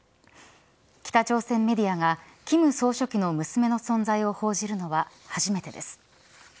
北朝鮮メディアが金総書記の娘の存在を報じるのは初めてです。